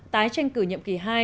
tái tranh cử nhiệm kỳ hai